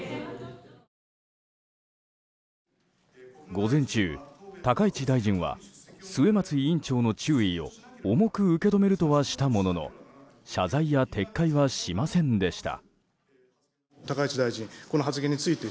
午前中、高市大臣は末松委員長の注意を重く受け止めるとはしたものの謝罪や撤回はしませんでした。